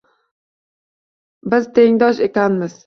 Biz tengdosh ekanmiz.